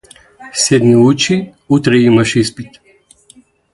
Седни учи, утре имаш испит.